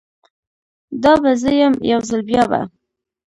دا به زه یم، یوځل بیا به